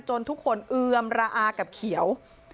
ทุกคนเอือมระอากับเขียว